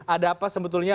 ada apa sebetulnya